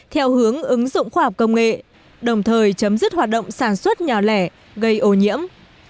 theo hướng ứng dụng khoa học công nghệ đồng thời chấm dứt hoạt động sản xuất nhỏ lẻ gây ô nhiễm